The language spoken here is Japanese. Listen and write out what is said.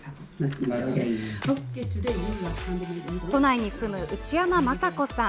都内に住む内山マサ子さん。